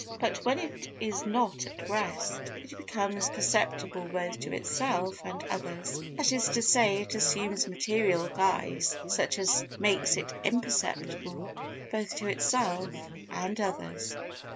But when it is not at rest, it becomes perceptible both to itself and others; that is to say, it assumes material guise such as makes it imperceptible both to itself and others.